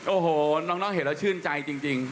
โอ้โหน้องเห็นแล้วชื่นใจจริง